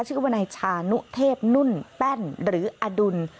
ชื่อว่าในชานุเทพนุ่นแป้นหรืออดุล